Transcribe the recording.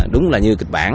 đúng là như kịch bản